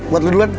buat lu duluan